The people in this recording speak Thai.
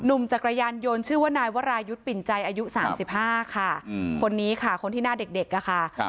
จักรยานยนต์ชื่อว่านายวรายุทธ์ปิ่นใจอายุ๓๕ค่ะคนนี้ค่ะคนที่หน้าเด็กอะค่ะ